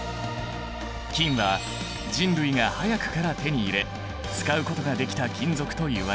金は人類が早くから手に入れ使うことができた金属といわれている。